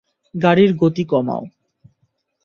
গাড়ির গতি কমাও।